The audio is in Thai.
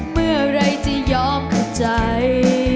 เมื่อไหร่จะยอมเข้าใจ